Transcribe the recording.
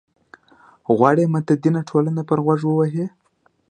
غواړي متدینه ټولنه پر غوږ ووهي.